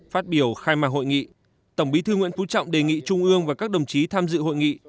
phát biểu khai mạc hội nghị tổng bí thư nguyễn phú trọng đề nghị trung ương và các đồng chí tham dự hội nghị